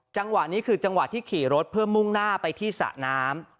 จังหวะนี้คือจังหวะที่ขี่รถเพื่อมุ่งหน้าไปที่สระน้ำ